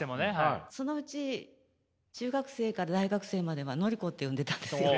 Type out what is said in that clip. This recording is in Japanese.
そのうち中学生から大学生までは「ノリコ」って呼んでたんですよ。